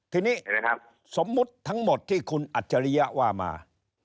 ทีนี้นะครับสมมุติทั้งหมดที่คุณอัจฉริยะว่ามา